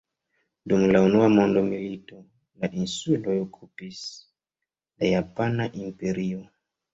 Dum la unua mondmilito, la insulojn okupis la Japana Imperio.